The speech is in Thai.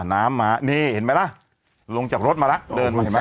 น้ำมานี่เห็นไหมล่ะลงจากรถมาแล้วเดินมาเห็นไหม